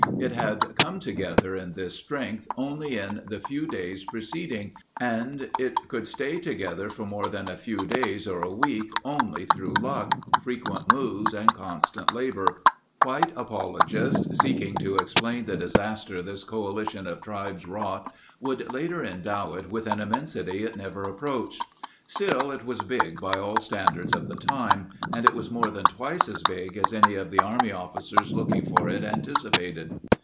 It had come together in this strength only in the few days preceding, and it could stay together for more than a few days or a week only through luck, frequent moves, and constant labor. White apologists, seek ing to explain the disaster this coalition of tribes wrought, would later endow it with an immensity it never approached. Still, it was big by all standards of the time, and it was more than twice as big as any of the Army officers looking for it anticipated.